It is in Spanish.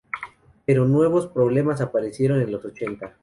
Pero nuevos problemas aparecieron en los ochenta.